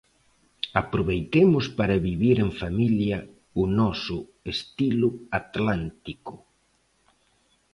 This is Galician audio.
Aproveitemos para vivir en familia o noso estilo atlántico.